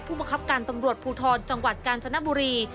ผู้บังคับการตำรวจภูทรจังหวัดกาญจนบุรี